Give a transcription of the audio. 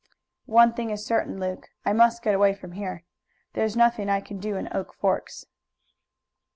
"One thing is certain, Luke. I must get away from here. There is nothing I can do in Oak Forks."